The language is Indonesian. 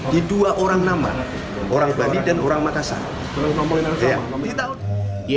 di dua orang nama orang bali dan orang makassar